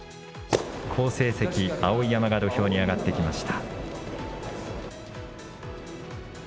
好成績、碧山が土俵に上がってきました。